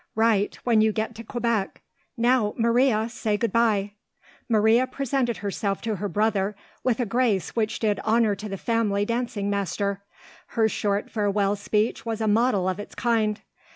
Write, when you get to Quebec. Now, Maria! say good bye." Maria presented herself to her brother with a grace which did honour to the family dancing master. Her short farewell speech was a model of its kind.